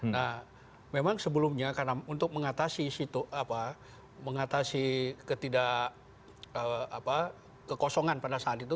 nah memang sebelumnya karena untuk mengatasi situ mengatasi ketidak kekosongan pada saat itu